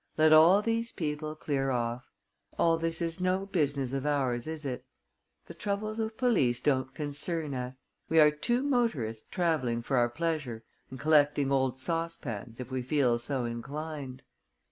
Let all these people clear off. All this is no business of ours, is it? The troubles of police don't concern us. We are two motorists travelling for our pleasure and collecting old saucepans if we feel so inclined."